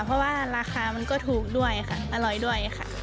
เพราะว่าราคามันก็ถูกด้วยค่ะอร่อยด้วยค่ะ